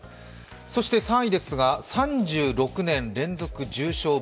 そして３位ですが、３６年連続重賞Ｖ